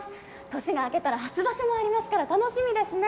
年が明けたら初場所もありますから、楽しみですね。